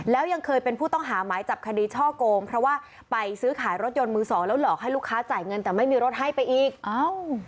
แล้วยังเคยเป็นผู้ต้องหาหมายจับคดีช่อโกงเพราะว่าไปซื้อขายรถยนต์มือสองแล้วหลอกให้ลูกค้าจ่ายเงินแต่ไม่มีรถให้ไปอีกอ้าว